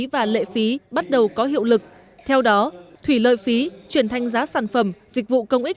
và lệ phí bắt đầu có hiệu lực theo đó thủy lợi phí chuyển thành giá sản phẩm dịch vụ công ích